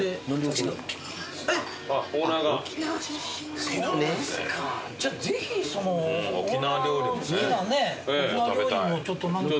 じゃぜひオーナーの好きなね沖縄料理もちょっと。